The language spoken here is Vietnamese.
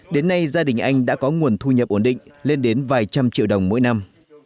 đến nay gia đình anh đã có nguồn thu nhập ổn định lên đến vài trăm triệu đồng mỗi năm